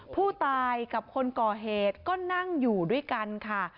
ผู้ตายกับคนก่อเหตุก็นั่งอยู่ด้วยกันค่ะ